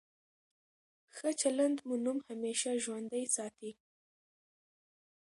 ښه چلند مو نوم همېشه ژوندی ساتي.